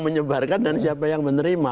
menyebarkan dan siapa yang menerima